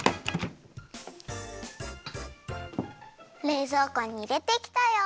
れいぞうこにいれてきたよ。